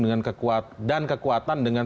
dan kekuatan dengan